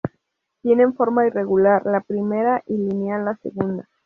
Tienen forma irregular la primera y lineal la segunda.